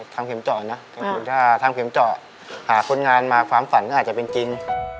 ทำเข็มเจาะนะถ้าทำเข็มเจาะหาคนงานมาความฝันก็อาจจะเป็นจริง